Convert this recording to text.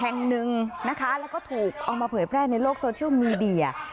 แห่งหนึ่งนะคะแล้วก็ถูกเอามาเผยแพร่ในโลกโซเชียลมีเดีย